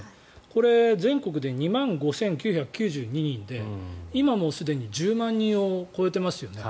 これ、全国で２万５９９２人で今、もうすでに１０万人を超えていますよね。